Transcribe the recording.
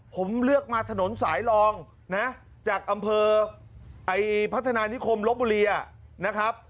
ผมเลือกมาถนนสายรองนะจากอำเภอพัฒนานิคมลบบุรีนะครับ